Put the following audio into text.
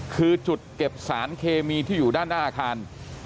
คือจุดเก็บสารเคมีที่อยู่ด้านหน้าอาคาร